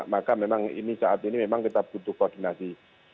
maka memang ini saat ini memang kita butuh koordinasi